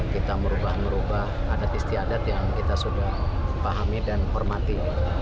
kita merubah merubah adat istiadat yang kita sudah pahami dan hormati